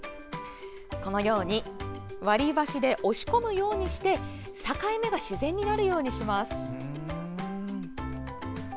このように割り箸で押し込むようにして境目が自然になるようにします。